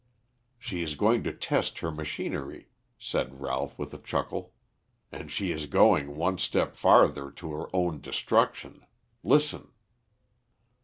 "She is going to test her machinery," said Ralph with a chuckle. "And she is going one step farther to her own destruction. Listen."